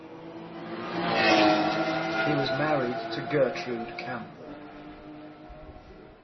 He was married to Gertrude Campbell.